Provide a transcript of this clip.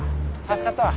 助かったわ。